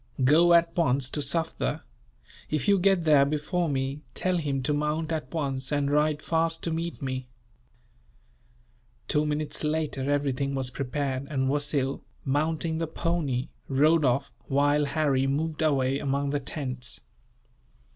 Go at once to Sufder. If you get there before me, tell him to mount at once, and ride fast to meet me." Two minutes later, everything was prepared; and Wasil, mounting the pony, rode off, while Harry moved away among the tents.